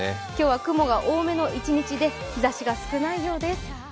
今日は雲が多めの一日で日ざしが少ないようです。